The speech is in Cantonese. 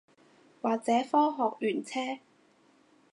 或者科學園車